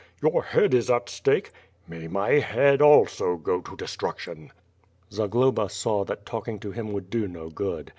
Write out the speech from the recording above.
"Your head is at stake.'' "May my head also go to destruction." Zagloba saw that talking to him would do no good.